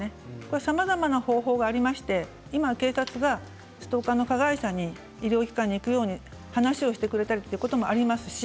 さまざまな方法がありまして警察がストーカーの加害者に医療機関に行くように話をしてくれたりということもあります。